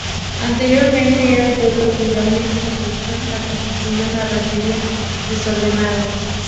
Anteriormente era un pueblo cuya única construcción la constituía una ranchería desordenada.